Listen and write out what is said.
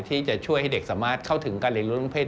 ที่จะช่วยให้เด็กสามารถเข้าถึงการเรียนรู้ทางเศษ